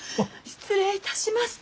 失礼いたしました。